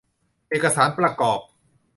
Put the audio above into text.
เอกสารประกอบ